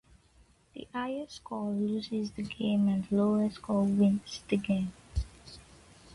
The highest score loses the game and the lowest score wins the game.